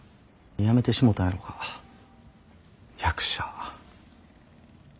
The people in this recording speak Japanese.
辞めてしもたんやろか役者。